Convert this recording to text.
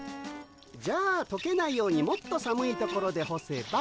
じゃあとけないようにもっと寒いところでほせば。